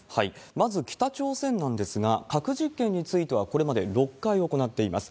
まず北朝鮮なんですが、核実験についてはこれまで６回行っています。